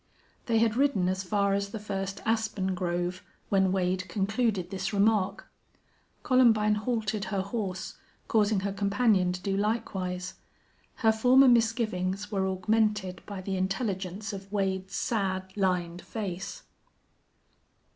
They had ridden as far as the first aspen grove when Wade concluded this remark. Columbine halted her horse, causing her companion to do likewise. Her former misgivings were augmented by the intelligence of Wade's sad, lined face.